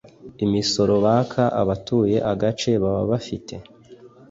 imisoro baka abatuye agace baba bafite